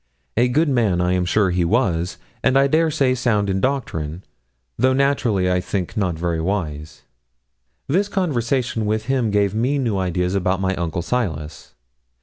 A good man I am sure he was, and I dare say sound in doctrine, though naturally, I think, not very wise. This conversation with him gave me new ideas about my uncle Silas.